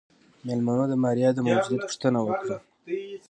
مېلمنو د ماريا د موجوديت پوښتنه وکړه.